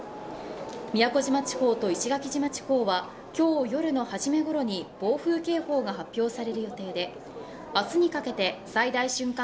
宮古島地方と石垣島地方は、今日夜のはじめ頃に暴風警報が発表される予定で、明日にかけて最大瞬間